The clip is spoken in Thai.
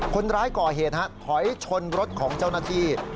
คนร้ายก่อเหตุฮะถอยชนรถของเจ้าหน้าที่